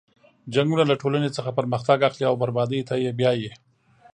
جنګونه له ټولنې څخه پرمختګ اخلي او بربادۍ ته یې بیایي.